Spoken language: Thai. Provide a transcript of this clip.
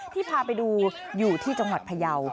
พาไปดูอยู่ที่จังหวัดพยาว